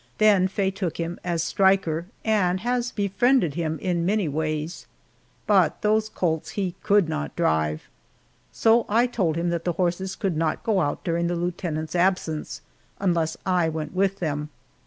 Then Faye took him as striker, and has befriended him in many ways. But those colts he could not drive. So I told him that the horses could not go out during the lieutenant's absence, unless I went with them.